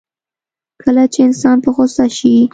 کله چې انسان په غوسه شي.